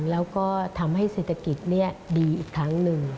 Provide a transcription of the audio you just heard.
แล้วก็ทำให้เศรษฐกิจดีอีกครั้งหนึ่ง